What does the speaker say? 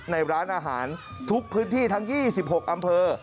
ในร้านอาหารทุกพื้นที่ทั้ง๒๖อำเภอ